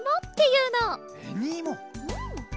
うん。